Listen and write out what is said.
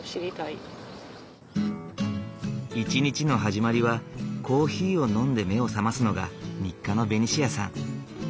一日の始まりはコーヒーを飲んで目を覚ますのが日課のベニシアさん。